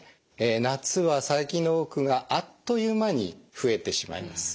夏は細菌の多くがあっという間に増えてしまいます。